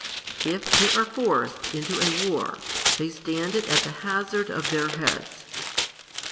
If they are forced into a war, they stand it at the hazard of their heads.